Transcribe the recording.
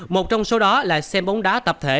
một trong số đó là xem bóng đá tập thể